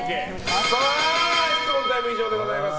質問タイム以上でございます。